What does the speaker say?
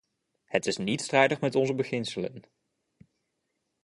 Het is niet strijdig met onze beginselen.